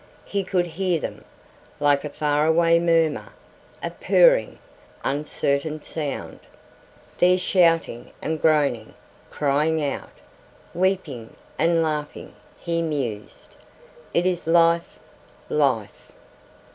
He could hear them, like a faraway murmur, a purring, uncertain sound. "They're shouting and groaning, crying out, weeping and laughing," he mused. "It is life ... life...."